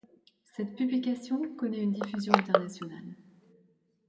Cette publication connaît une diffusion internationale.